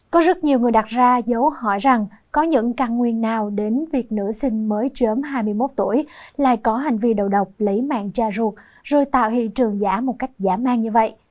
có rất nhiều người đặt ra dấu hỏi rằng có những căn nguyên nào đến việc nữ sinh mới chớm hai mươi một tuổi lại có hành vi đầu độc lấy mạng cha ruột rồi tạo hiện trường giả một cách giả mang như vậy